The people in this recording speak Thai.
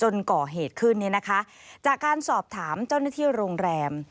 จนก่อเหตุขึ้นจากการสอบถามเจ้านักที่โรงแรม